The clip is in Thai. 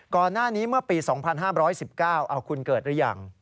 ก่อนหน้านี้เมื่อปี๒๕๑๙คุณเกิดหรือยัง